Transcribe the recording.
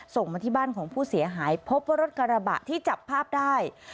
ส่งมาที่บ้านของผู้เสียหายพบว่ารถกระบะที่จับภาพได้